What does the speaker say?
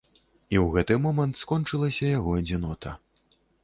І ў гэты момант скончылася яго адзінота.